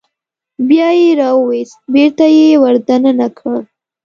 بیا یې راوویست بېرته یې ور دننه کړ.